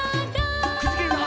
くじけるな！